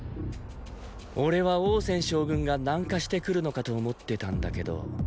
俺は王翦将軍が南下して来るのかと思ってたんだけど。